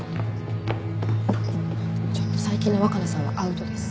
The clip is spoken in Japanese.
ちょっと最近の若菜さんはアウトです。